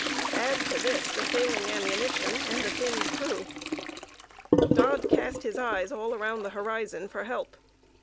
Add to this the failing ammunition, and the thinned crew! Dodd cast his eyes all round the horizon for help.